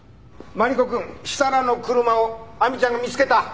マリコくん設楽の車を亜美ちゃんが見つけた。